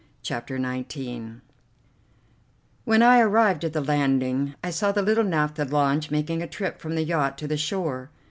CHAPTER XIX When I arrived at the landing I saw the little naphtha launch making a trip from the yacht to the shore.